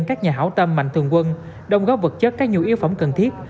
các nhà hảo tâm mạnh thường quân đồng góp vật chất các nhu yếu phẩm cần thiết